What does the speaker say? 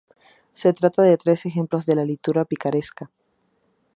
Se trata de tres ejemplos de la literatura picaresca.